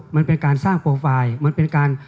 มันเป็นการสร้างโปรไฟล์